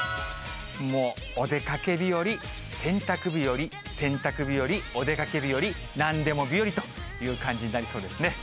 もうお出かけ日和、洗濯日和、洗濯日和、お出かけ日和、なんでも日和という感じになりそうですね。